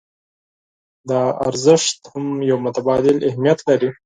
دا ارزښت هم يو متبادل اهميت لري.